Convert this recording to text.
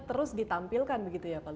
terus ditampilkan begitu ya pak